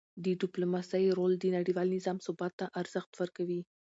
د ډیپلوماسی رول د نړیوال نظام ثبات ته ارزښت ورکوي.